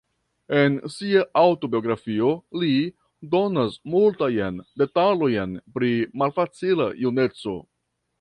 En sia aŭtobiografio, li donas multajn detalojn pri malfacila juneco.